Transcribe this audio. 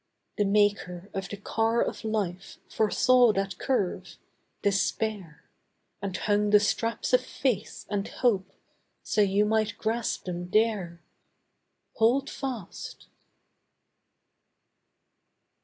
The Maker of the Car of Life Foresaw that curve—Despair, And hung the straps of faith, and hope So you might grasp them there. Hold fast!